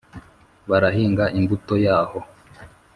Barahinga imbuto yaho